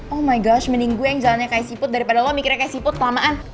oh my gosh mending gue yang jalannya kayak siput daripada lo mikirnya kayak siput selamaan